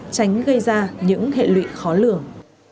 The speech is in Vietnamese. tránh gây ra những hệ lụy khó lường